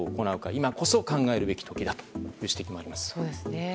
今こそ考えるべき時だという指摘もあります。